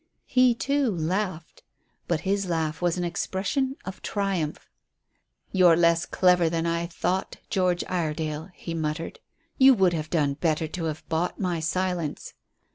He, too, laughed; but his laugh was an expression of triumph. "You're less clever than I thought, George Iredale," he muttered. "You would have done better to have bought my silence.